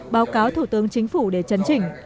báo cáo thủ tướng chính phủ để chấn chỉnh